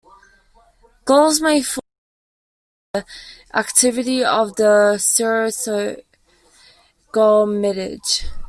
Galls may form by the activity of the creosote gall midge.